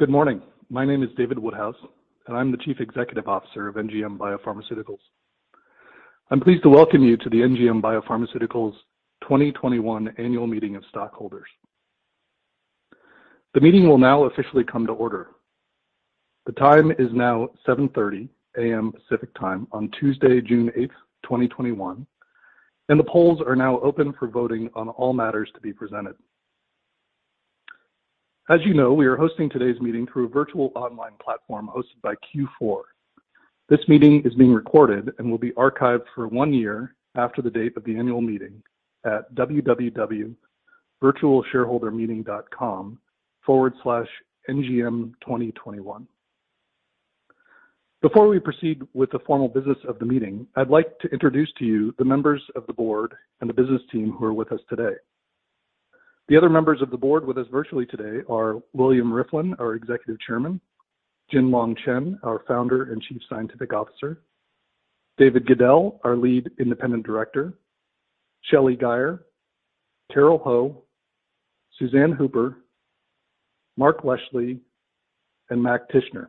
Good morning. My name is David Woodhouse, and I'm the Chief Executive Officer of NGM Biopharmaceuticals. I'm pleased to welcome you to the NGM Biopharmaceuticals 2021 Annual Meeting of Stockholders. The meeting will now officially come to order. The time is now 7:30 A.M. Pacific Time on Tuesday, June 8th, 2021, and the polls are now open for voting on all matters to be presented. As you know, we are hosting today's meeting through a virtual online platform hosted by Q4. This meeting is being recorded and will be archived for one year after the date of the annual meeting at www.virtualshareholdermeeting.com/ngm2021. Before we proceed with the formal business of the meeting, I'd like to introduce to you the members of the board and the business team who are with us today. The other members of the board with us virtually today are William J. Rieflin, our executive chairman, Jin-Long Chen, our founder and chief scientific officer, David V. Goeddel, our lead independent director, Shelly D. Guyer, Carole Ho, Suzanne Hooper, Mark Leschly, and Mac Tichenor.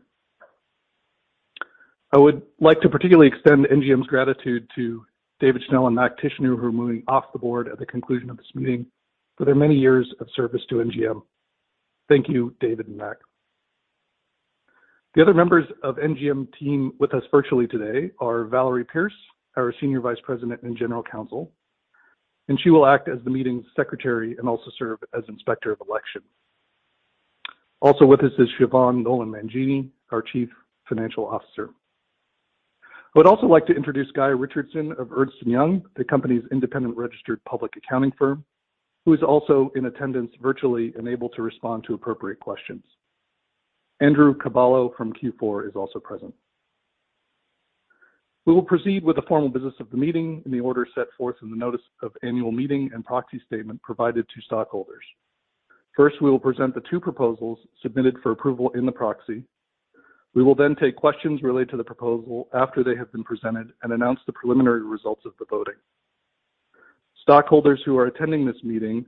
I would like to particularly extend NGM's gratitude to David Schnell and Mac Tichenor, who are moving off the board at the conclusion of this meeting for their many years of service to NGM. Thank you, David and Mac. The other members of NGM team with us virtually today are Valerie Pierce, our senior vice president and general counsel, and she will act as the meeting secretary and also serve as inspector of election. Also with us is Siobhan Nolan Mangini, our chief financial officer. I would also like to introduce Guy Richardson of Ernst & Young, the company's independent registered public accounting firm, who is also in attendance virtually and able to respond to appropriate questions. Andrew Caballo from Q4 is also present. We will proceed with the formal business of the meeting in the order set forth in the notice of annual meeting and proxy statement provided to stockholders. First, we will present the two proposals submitted for approval in the proxy. We will then take questions related to the proposal after they have been presented and announce the preliminary results of the voting. Stockholders who are attending this meeting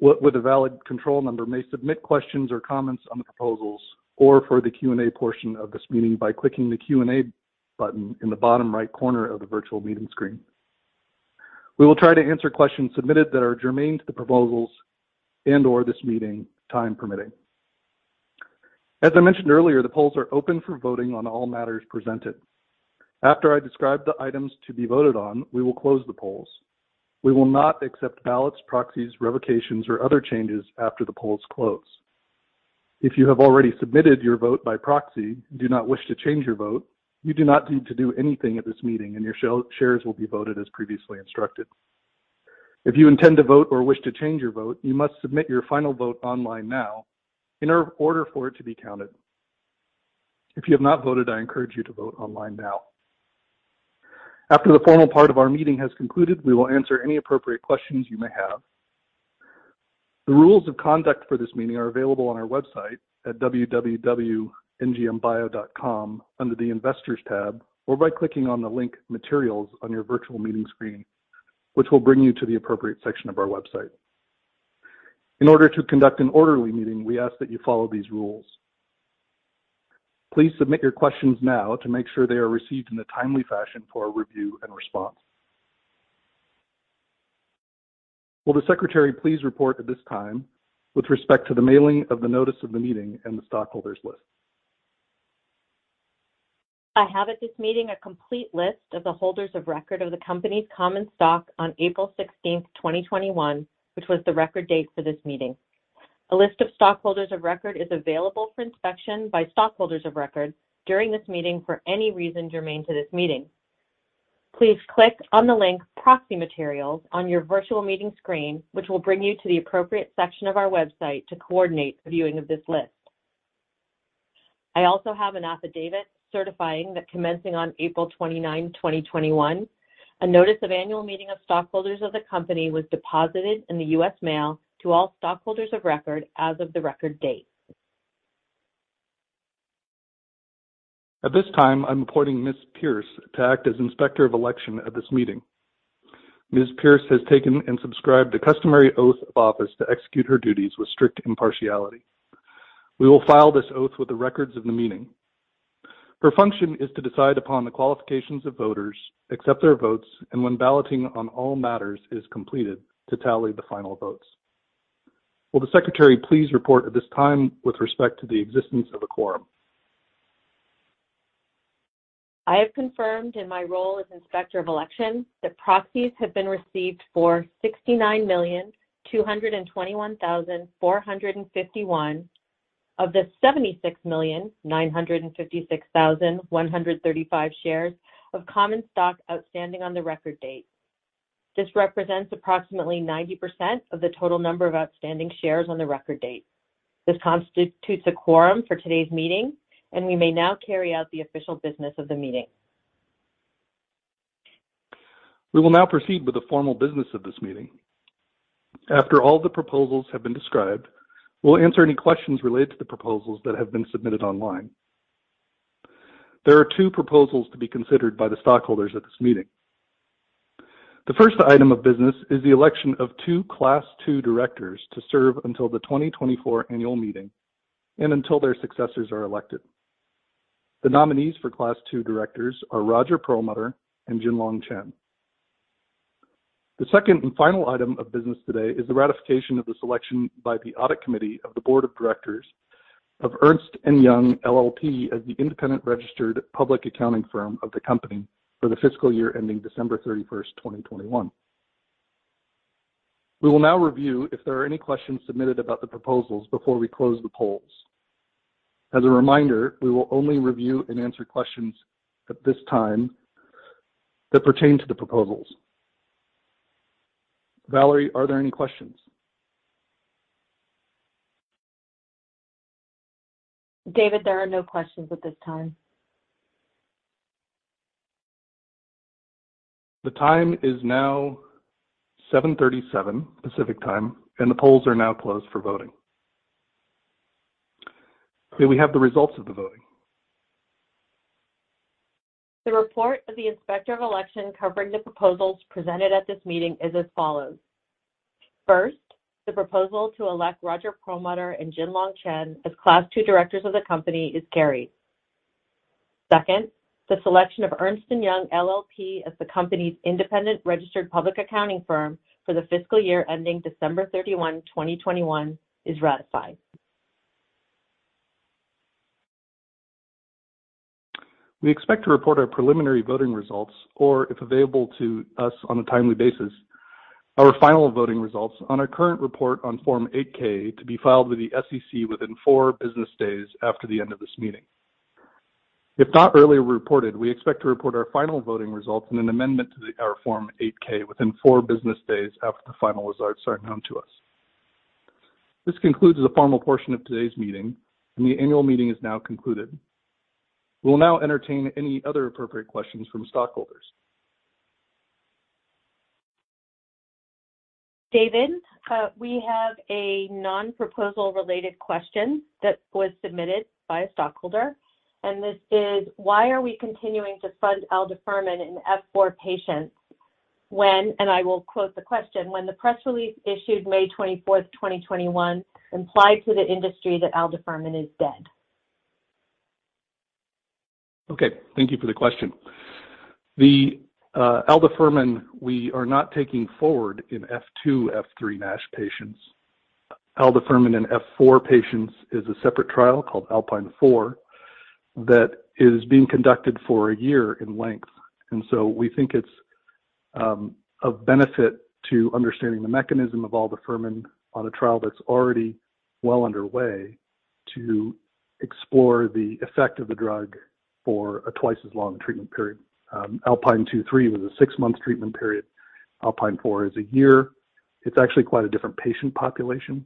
with a valid control number may submit questions or comments on the proposals or for the Q&A portion of this meeting by clicking the Q&A button in the bottom right corner of the virtual meeting screen. We will try to answer questions submitted that are germane to the proposals and/or this meeting, time permitting. As I mentioned earlier, the polls are open for voting on all matters presented. After I describe the items to be voted on, we will close the polls. We will not accept ballots, proxies, revocations, or other changes after the polls close. If you have already submitted your vote by proxy and do not wish to change your vote, you do not need to do anything at this meeting, and your shares will be voted as previously instructed. If you intend to vote or wish to change your vote, you must submit your final vote online now in order for it to be counted. If you have not voted, I encourage you to vote online now. After the formal part of our meeting has concluded, we will answer any appropriate questions you may have. The rules of conduct for this meeting are available on our website at www.ngmbio.com under the Investors tab or by clicking on the link Materials on your virtual meeting screen, which will bring you to the appropriate section of our website. In order to conduct an orderly meeting, we ask that you follow these rules. Please submit your questions now to make sure they are received in a timely fashion for our review and response. Will the secretary please report at this time with respect to the mailing of the notice of the meeting and the stockholders list? I have at this meeting a complete list of the holders of record of the company's common stock on April 16th, 2021, which was the record date for this meeting. A list of stockholders of record is available for inspection by stockholders of record during this meeting for any reason germane to this meeting. Please click on the link "Proxy Materials" on your virtual meeting screen, which will bring you to the appropriate section of our website to coordinate the viewing of this list. I also have an affidavit certifying that commencing on April 29, 2021, a notice of annual meeting of stockholders of the company was deposited in the U.S. mail to all stockholders of record as of the record date. At this time, I'm appointing Ms. Pierce to act as inspector of election at this meeting. Ms. Pierce has taken and subscribed to a customary oath of office to execute her duties with strict impartiality. We will file this oath with the records of the meeting. Her function is to decide upon the qualifications of voters, accept their votes, and, when balloting on all matters is completed, to tally the final votes. Will the secretary please report at this time with respect to the existence of a quorum? I have confirmed in my role as inspector of elections that proxies have been received for 69,221,451 of the 76,956,135 shares of common stock outstanding on the record date. This represents approximately 90% of the total number of outstanding shares on the record date. This constitutes a quorum for today's meeting, and we may now carry out the official business of the meeting. We will now proceed with the formal business of this meeting. After all the proposals have been described, we'll answer any questions related to the proposals that have been submitted online. There are two proposals to be considered by the stockholders at this meeting. The first item of business is the election of two Class II directors to serve until the 2024 annual meeting and until their successors are elected. The nominees for Class II directors are Roger M. Perlmutter and Jin-Long Chen. The second and final item of business today is the ratification of the selection by the audit committee of the board of directors of Ernst & Young LLP as the independent registered public accounting firm of the company for the fiscal year ending December 31st, 2021. We will now review if there are any questions submitted about the proposals before we close the polls. As a reminder, we will only review and answer questions at this time that pertain to the proposals. Valerie, are there any questions? David, there are no questions at this time. The time is now 7:37 A.M. Pacific Time, and the polls are now closed for voting. Do we have the results of the voting? The report of the inspector of election covering the proposals presented at this meeting is as follows. First, the proposal to elect Roger Perlmutter and Jin-Long Chen as Class II directors of the company is carried. Second, the selection of Ernst & Young LLP as the company's independent registered public accounting firm for the fiscal year ending December 31, 2021, is ratified. We expect to report our preliminary voting results, or, if available to us on a timely basis, our final voting results on a current report on Form 8-K to be filed with the SEC within four business days after the end of this meeting. If not earlier reported, we expect to report our final voting results in an amendment to the Form 8-K within four business days after the final results are known to us. This concludes the formal portion of today's meeting, and the annual meeting is now concluded. We will now entertain any other appropriate questions from stockholders. David, we have a non-proposal-related question that was submitted by a stockholder, and this is, "Why are we continuing to fund aldafermin in F4 patients when," and I will quote the question, "when the press release issued May 24th, 2021, implied to the industry that aldafermin is dead?" Okay. Thank you for the question. The aldafermin we are not taking forward in F2, F3 NASH patients. Aldafermin in F4 patients is a separate trial called ALPINE 4 that is being conducted for a year in length. We think it's of benefit to understanding the mechanism of aldafermin on a trial that's already well underway to explore the effect of the drug for a twice as long treatment period. ALPINE 2/3 was a six-month treatment period. ALPINE 4 is a year. It's actually quite a different patient population,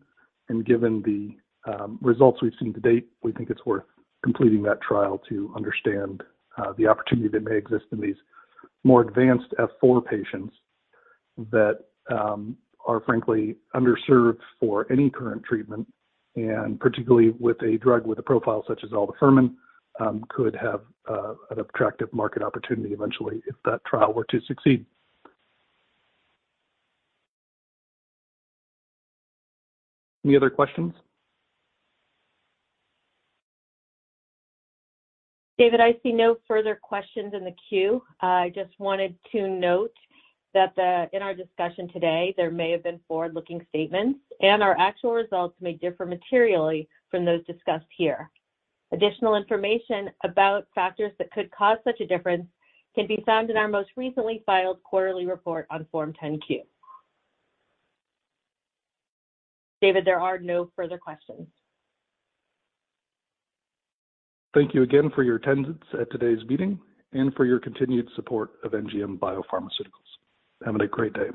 and given the results we've seen to date, we think it's worth completing that trial to understand the opportunity that may exist in these more advanced F4 patients that are frankly underserved for any current treatment, and particularly with a drug with a profile such as aldafermin, could have an attractive market opportunity eventually if that trial were to succeed. Any other questions? David, I see no further questions in the queue. I just wanted to note that in our discussion today, there may have been forward-looking statements, and our actual results may differ materially from those discussed here. Additional information about factors that could cause such a difference can be found in our most recently filed quarterly report on Form 10-Q. David, there are no further questions. Thank you again for your attendance at today's meeting and for your continued support of NGM Biopharmaceuticals. Have a great day.